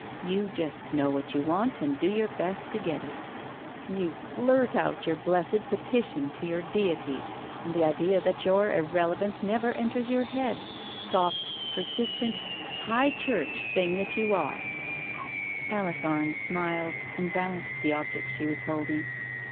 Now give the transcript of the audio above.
You just know what you want and do your best to get it. You blurt out your blessed petition to your Deity and the idea that you're irrelevant never enters your head, soft, persistent, High Church thing that you are !..." Digitized by Google THE PRAYER 127 Alice Arne smiled, and balanced the objects she was holding.